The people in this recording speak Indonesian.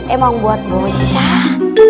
emang buat bocah